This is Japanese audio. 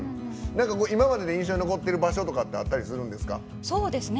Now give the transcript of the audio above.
今までで印象に残ってる場所とかってあったりするんですか？